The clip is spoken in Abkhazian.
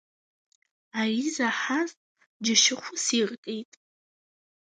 Ари заҳаз џьашьахәыс иркит.